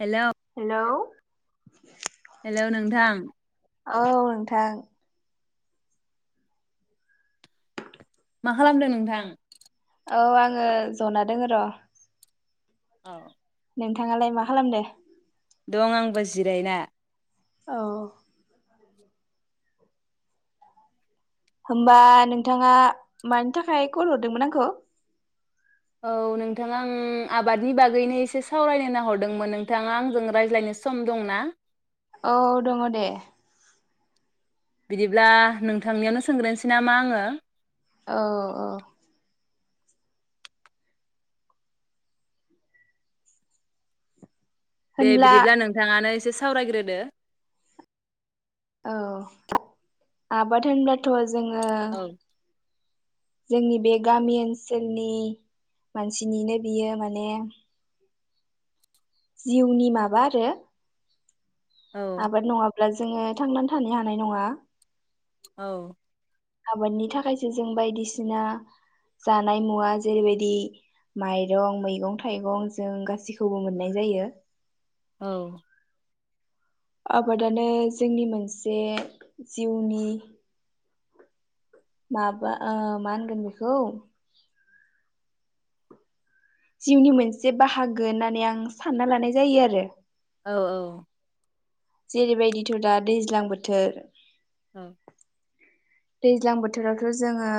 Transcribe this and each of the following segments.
Hello hello hello नोंथां। औ नोंथां। मा खालामदों नोंथां? औ आङो जना दोङो रं। औ नोंथाङालाय मा खालामदो? दं आंबो जिरायना। औ। होमबा नोंथाङा मानि थाखाय कल हरदोंमोन आंखौ? औ नोंथाङा आं आबादनि बागैनो एसे सावरायनो होनना हरदोंमोन नोंथाङा आंजों रायज्लायनो सम दंना? औ दङ दे। बिदिब्ला नोंथांनियावनो सोंग्रोनोसै नामा आङो? औ औ। दे होनब्ला बिदिब्ला नोंथाङानो एसे सावरायग्रोदो औ आबाद होनब्लाथ जोङो औ जोंनि बे गामि ओनसोलनि मानसिनिनो बियो माने जिउनि माबा आरो औ आबाद नंआबा अब्ला जोङो थांनानै थानो हानाय नङा औ आबादनि थाखायसो जों बायदिसिना जानाय मुवा जेरैबायदि माइरं मैगं थाइगं जों गाैखौबो मोननाय जायो औ आबादानो जोंनि मोनसे जिउनि माबा आ मानो बेखौ जिउनि मोनसे बाहागो होननानै आं सानना लानाय जायो आरो औ औ जेरैबायदिथ' दा दैज्लां बोथोर औ दैज्लां बोथोरावथ' जोङो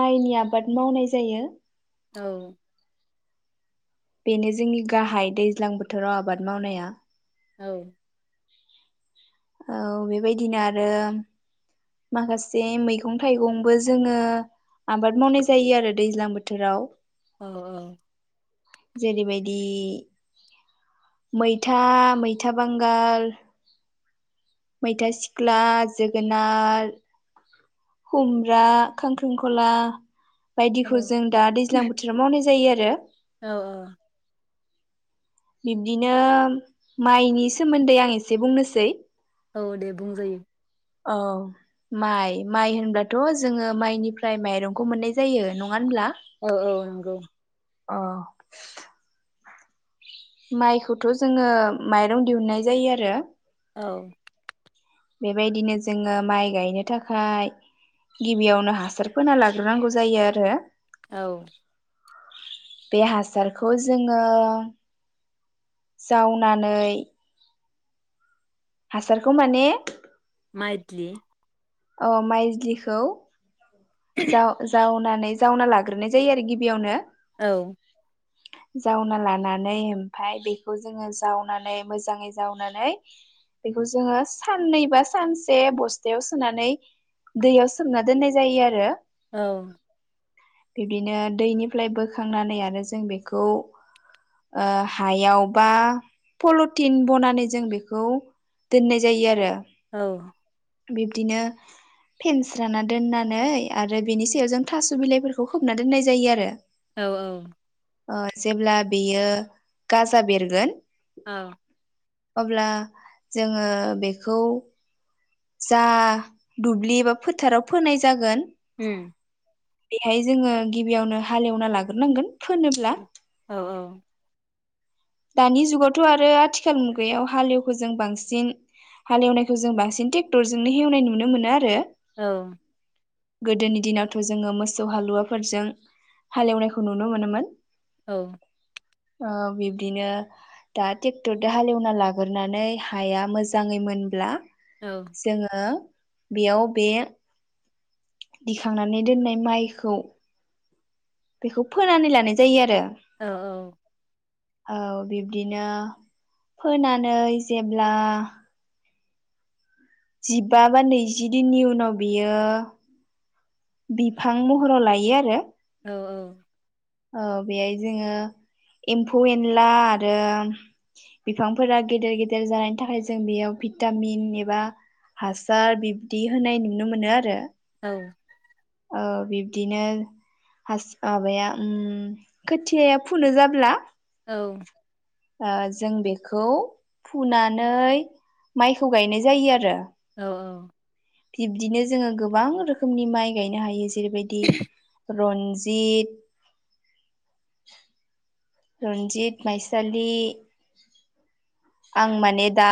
माइनि आबाद मावनाय जायो औ बेनो जोंनि गाहाय दैज्लां बोथोराव आबाद मावनाया औ औ बेबायदिनो आरो माखासे मैगं थाइगंबो जोङो आबाद मावनाय जायो आरो दैज्लां बोथोराव औ औ जेरै बायदि मैथा मैथा बांगाल मैथा सिख्ला जोगोनार खुमब्रा खांख्रिंखला बायदिखौ जों दा दैज्लां बोथोराव मावनाय जायो आरो आरो औ औ बिब्दिनो माइनि सोमोन्दै आं एसे बुंनोसै औ दे बुंजायो औ माइ माइ होनब्लाथ' जोङो माइनिफ्राय माइरंखौ मोननाय जायो नङा होनब्ला औ औ नंगौ औ माइखौथ' जोङो माइरं दिहुननाय जायो आरो। औ बेबायदिनो जोङो माइ गायनो थाखाय गिबियावनो हासार फोना लाग्रोनांगौ जायो आरो। औ बे हासारखौ जोङो जावनानै हासारखौ माने मायद्लि औ माइज्लिखौ जा-जावना नै जावना लाग्रोनाय जायो आरो गिबियावनो औ जावना लानानै ओमफाय बेखौ जोङो जावनानै मोजाङै जावनानै बेखौ जोङो साननैबा सानसे बस्थायाव सोनानै दैयाव सोमना दोननाय जायो आरो। औ बिब्दिनो दैनिफ्राय बोखांनानै आरो जों बेखौ ओ हायाव बा पल'टिन बनानै जों बेखौ दोननाय जायो आरो औ बिब्दिनो फेनस्राना दोननानै आरो बेनि सायाव जों थास' बिलाइफोरखौ खोबना दोननाय जायो आरो। औ औ ओ जेब्ला बेयो गाजा बेरगोन औ अब्ला जोङो बेखौ जा दुब्लि बा फोथाराव फोनाय जागोन उम बेहाय जोङो गिबियावनो हालेवना लाग्रोनांगोन फोनोब्ला औ औ दानि जुगावथ' आरो आथिखाल मुगायाव हालेवखो जों बांसिन हालेवनायखौ जों बांसिन टेक्टरजोंनो हेवनाय नुनो मोनो आरो औ गोदोनि दिनावथ' जोङो मोसौ हालुवाफोरजों हालेवनायखौ नुनो मोनोमोन। औ ओ बे दिनो दा टेक्टरजों हालेवना लाग्रोनानै हाया मोजाङै मोनब्ला औ जोङो बेयाव बे दिखांनानै दोननाय माइखौ बेखौ फोनानै लानाय जायो आरो। औ औ बिब्दिनो फोनानै जेब्ला जिबा बा नैजि दिननि उनाव बियो बिफां महराव लायो आरो। औ औ औ बेहाय जोङो एम्फौ एनला आरो बिफांफोरा गेदेर गेदेर जानायनि थाखाय जों बेयाव भिटामिन एबा हासार बिब्दि होनाय नुनो मोनो आरो। औ औ ओ बिब्दिनो फास माबाया ओम खोथियाया फुनो जाब्ला औ ओ जों बेखौ फुनानै माइखौ गायनाय जायो आरो। अ बिब्दिनो जोङो गोबां रोखोमनि माइ गायनो हायो। जेरैबायदि रनजित रनजित माइसालि आं माने दा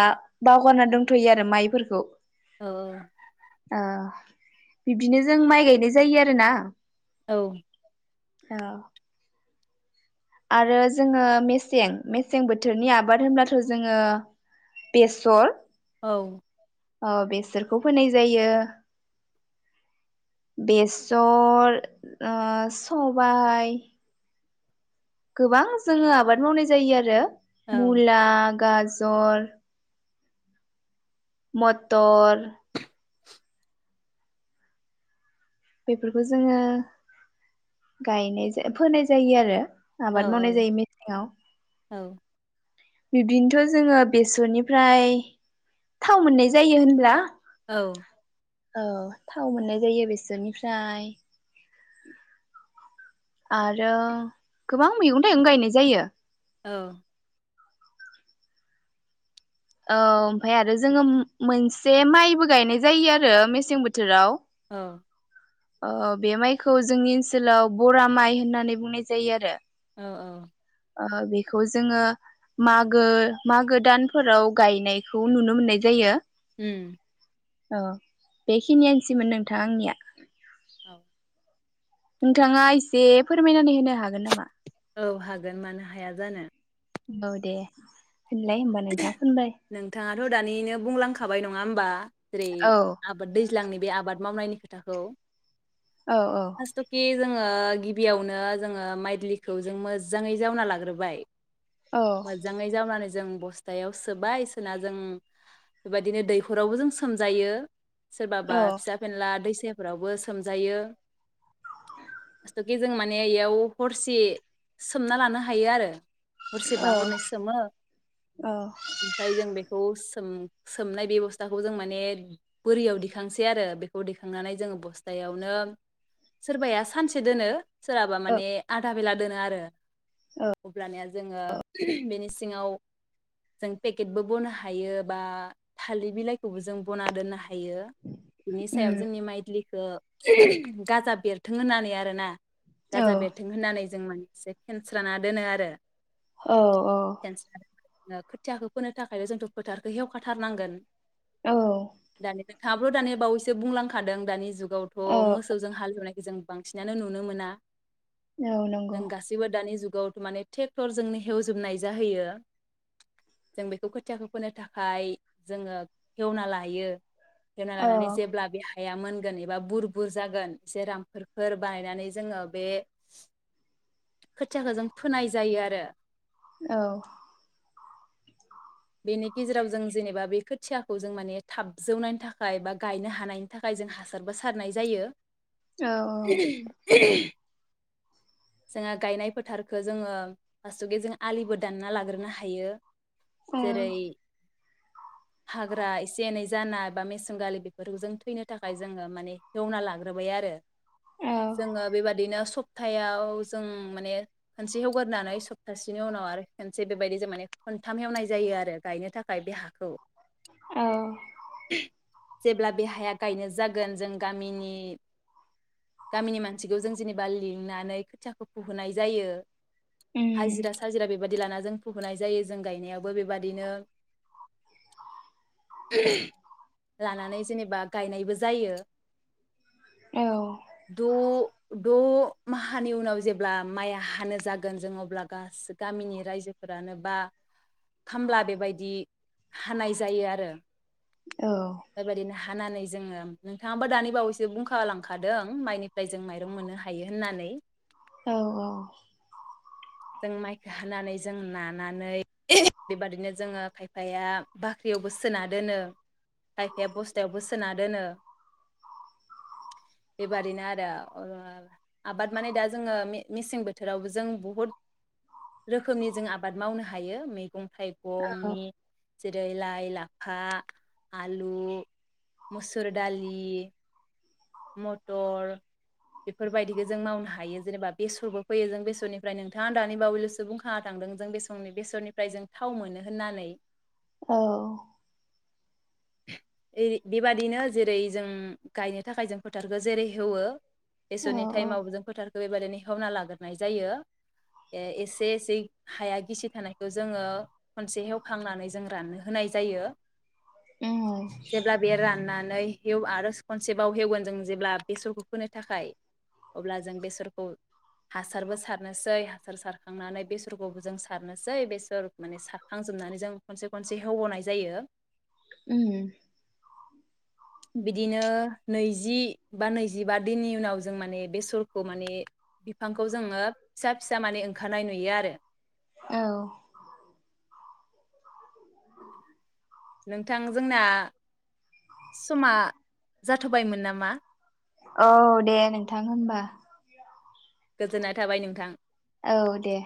बावगारना दंथ'यो आरो माइफोरखौ औ ओ बिब्दिनो जों माइ गायनाय जायो आरोना औ औ आरो जोङो मेसें मेसें बोथोरनि आबाद होनब्लाथ' जोङो बेसर औ औ बेसरखौ फोनाय जायो बेसर ओ सबाय गोबां जोङो आबाद मावनाय जायो आरो मुला गाजर मटर बेफोरखौ जोङो गायनाय जायो फोनाय जायो आरो आबाद मावनाय जायो मेसेङाव बिब्दिनोथ' जोङो बेसरनिफ्राय थाव मोननाय जायो होनब्ला। औ। औ थाव मोननाय जायो बेसोरनिफ्राय आरो गोबां मैगं थाइगं गायनाय जायो। औ औ ओमफाय आरो जोङो मो-मोनसे माइबो गायनाय जायो आरो मेसें बोथोराव। औ। ओ बे माइखौ जोंनि ओनसोलाव बरा माइ होन्नानै बुंनाय जायो आरो। औ औ। ओ बेखौ जोङो मागो मागो दानफोराव गायनायखौ नुनो मोननाय जायो। उम। औ बेखिनियानसैमोन नोंथां आंनिया। नोंथाङा एसे फोरमायनानै होनो हागोन नामा। ओव हागोन मानो हाया जानो। औ दे। होनलाय होमबा नोंथां नोंथाङाथ' दानिनो बुंलांखा खाबाय नङा होम्बा। जेरै औ आबाद दैज्लांनि बे आबाद। मावनायनि खोथाखौ। औ औ। फार्स्टकि जोङो गिबियावनो जोङो माइल्दिखौ जों मोजाङै जावना लाग्रोबाय। औ मोजाङै जावनानै जो जों ब स्थायाव सोबाय सोना जों बेबायदिनो दैहरावबो जों सोमजायो। औ सोरबाबा फिसा फेनला दैसा [unintelligible] फोरावबो सोमजायो स्थ'के जों माने इयाव हरसे सोमना लानो हायो आरो। हरसे बा औ हरनै सोमो। औ ओ ओमफ्राय जों बेखौ सो सोम-सोमनाय बे बस्थाखौ जों माने बोरियाव दिखांसै आरो बेखौ दिखांनानै जोङो बस्थायावनो सोरबाया सानसे दोनो। सोरहाबा माने आधा बेला दोनो आरो। अब्लानिया जोङो बेनि सिङाव। जों पेकेटबो बनो हायो बा थालि बिलाइखौबो जों बना दोन्नो हाय हायो बिनि उम सायाव जोंनि माइद्लि। खो गाजा बेरथों होननानै आरोना। औ गाजा बेरथों होननानै जों माने एसे फेनस्राना दोनो आरो। औ-औ खोथियाखौ फोनो थाखायनो जोंथ' फोथारखौ हेवखाथारनांगोन औ दानि नोंथाङाबो दानि बावैसो बुंलांखादों दानि जुग औ जुगावथ' मोसौजों हालेवनायखौ जों बांसिनानो नुनो मोना औ नंगौ जों गासिबो दानि जुग जुगावथ' माने ट्रेक्टरजोंनो हेवजोबनाय जाहैयो जों बेखौ खोथियाखौ फोनो थाखाय जोङो एवना लायो एवना औ लानानै जेबोब्ला बेहाय हाया मोनगोन एबा बुर- बुर जागोन जेरामफोर बानायनानै जोङो बे खोथियाखौ जों फोनाय जायो आरो औ बेनि गेजेराव जों जेनेबा बे खोथियाखौ जों माने थाब जौनायनि थाखाय बा गायनो हानायनि थाखाय जों हासारबो सारनाय जायो औ [unintelligible] जोंहा गायनाय फोथारखौ जोङो फासुगे जों आलिबो दानना लाग्रोनो हायो औ जेरै हाग्रा एसे एनै जाना बा मेसें गालि बेफोरखौ जों थैनो थाखाय जोङो माने एवना लाग्रोबाय आरो औ जोङो बेबादिनो स सप्तायाव जों माने खनसे ऐवगारनानै सप्तासेनि उनाव आरो खनसे बेबायदि जों माने खनथाम हवनाय जायो आरो गायनो थाखाय बे हाखौ औ जेब्ला बे हाया गायनो जागोन जों गामिनि गामिनि मानसिखौ जों जेनेबा लिंनानै खोथियाखौ फुहोनाय जायो उम हाजिरा साजिरा बेबायदि दि लाना जों फुहोननाय जायो जों गायनायाव बो बेबादिनो लानानै जेनेबा गायनायबो जायो। औ द' द' माहानि उनाव जेब्ला माइया हानो जागोन जों अब्ला गासै गामिनि रायजोफोरानो बा खामला बेबायदि हानाय जायो आरो। औ बेबायदिनो हानानै जोङो नोंथाङाबो दानि बावैसो बुंखालांखादों माइनिफ्राय जों माइरं मोननो हायो होननानै। औ औ जों माइखौ हानानै जों नानानै बेबादिनो जोङो खायफाया बाख्रियावबो सोना दोनो। खायफाया बस्थायावबो सोना दोनो बेबादिनो आरो ओ आबाद माने दा जोङो मे मेसें बोथोरावबो जों बुहुद रोखोमनि जों आबाद मावनो हायो मैगं थाइगंनि जेरै लाइ लाफा आलु मुसुर दालि मटर बेफोरबायदिखो जों मावनो हायो जेनेबा बेसरबो फैयो जों बेसरनिफ्राय नोंथाङा दानि बावैल'सो बुंखाना थांदों जों बेसंनि बेसरनिफ्राय जों थाव मोनो होननानै। औ ओइ बेबादिनो जेरै जों गायनो थाखाय जों फोथारखो जेरै हेवो औ बेसरनि औ टाइमावबो जों फोथार खो बेबादिनो हेवना लाग्रोनाय जायो ए एसे एसे हाया गिसि थानायखौ जोङो खनसे हेवखांनानै जों राननो होनाय जायो। उम जेब्ला बेयो रानना नै हेव आरो खनसेबाव हेवगोन जों जेब्ला बेसरखौ फोनो थाखाय अब्ला जों बेसरखौ हासारबो सारनोसै हासार सारखांनानै बेसरखौबो जों सारनोसै बेसर माने सारखांजोबनानै जों खनसे खनसे हेवबावनाय जायो उम बिदिनो नैजि बा नैजिबा दिननि उनाव जों माने बेसरखौ माने बिफांखौ जोङो फिसा फिसा माने ओंखारनाय नुयो आरो औ नोंथां जोंना समा जाथ'बायमोन नामा? औ दे नोंथां होनबा गोजोन्नाय थाबाय नोंथां। औ दे।